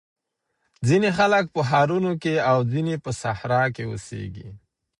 ځینې خلګ په ښارونو کي او ځینې په صحرا کي اوسېږي.